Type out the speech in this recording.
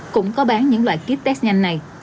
cũng có bán những loại kiếp test nhanh này